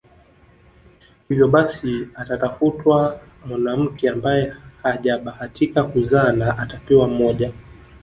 Hivyo basi atatafutwa mwanamke ambaye hajabahatika kuzaa na atapewa mmoja